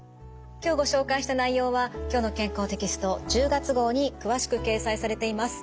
今日ご紹介した内容は「きょうの健康」テキスト１０月号に詳しく掲載されています。